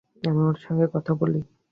আমি ওর সঙ্গে কথা বলি।